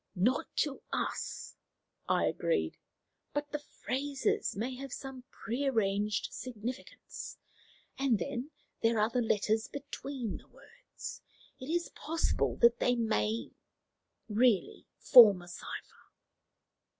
"Not to us," I agreed; "but the phrases may have some pre arranged significance. And then there are the letters between the words. It is possible that they may really form a cipher."